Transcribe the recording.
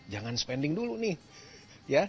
jangan spending dulu nih